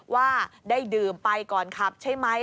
ว่าได้ดื่มไปก่อนขับใช่ไหม